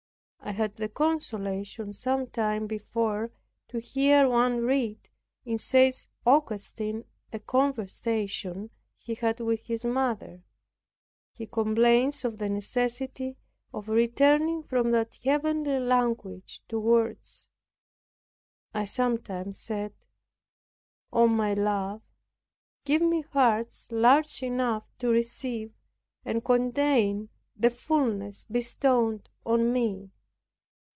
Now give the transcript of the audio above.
I had the consolation some time before to hear one read in St. Augustine a conversation he had with his mother. He complains of the necessity of returning from that heavenly language to words. I sometimes said, "Oh, my Love, give me hearts large enough to receive and contain the fulness bestowed on me."